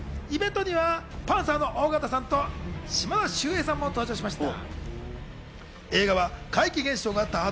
イベントにはパンサーの尾形さんと島田秀平さんも登場しました。